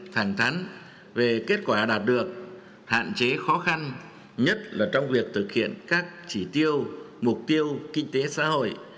thẳng thắn về kết quả đạt được hạn chế khó khăn nhất là trong việc thực hiện các chỉ tiêu mục tiêu kinh tế xã hội